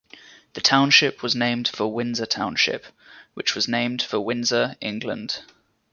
The township was named for Windsor Township, which was named for Windsor, England.